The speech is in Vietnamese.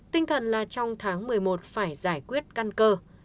tinh thần là trong tháng một mươi một phải giải quyết căn cơ